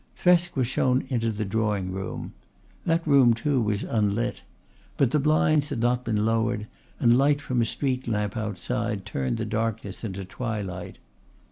Thresk was shown into the drawing room. That room too was unlit. But the blinds had not been lowered and light from a street lamp outside turned the darkness into twilight.